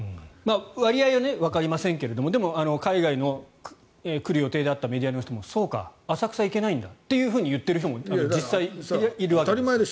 割合はわかりませんがでも海外から来るメディアの方々はそうか、浅草行けないんだと言っている人も実際にいるわけです。